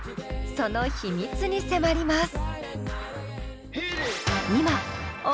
その秘密に迫ります。